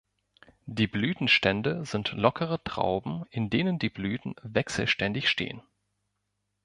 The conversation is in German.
Die Blütenstände sind lockere Trauben, in denen die Blüten wechselständig stehen.